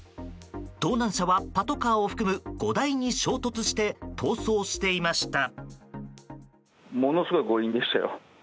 盗難車はパトカーを含む５台に衝突して逃走していました。